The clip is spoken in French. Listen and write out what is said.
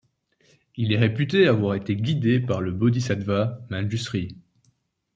Il est réputé avoir été guidé par le bodhisattva Manjushri.